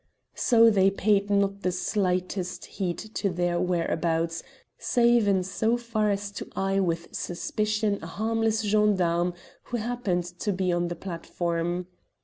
So they paid not the slightest heed to their whereabouts, save in so far as to eye with suspicion a harmless gendarme who happened to be on the platform.